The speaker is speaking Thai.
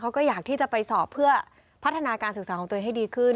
เขาก็อยากที่จะไปสอบเพื่อพัฒนาการศึกษาของตัวเองให้ดีขึ้น